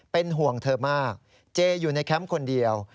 เป็นห่วงเธอมากเจอยู่ในแคมป์คนเดียว